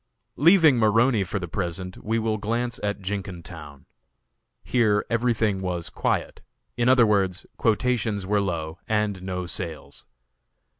Leaving Maroney for the present, we will glance at Jenkintown. Here everything was quiet; in other words, quotations were low and no sales.